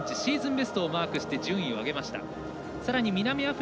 ベストをマークして順位を上げました。